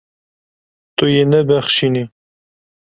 Tu yê nebexşînî.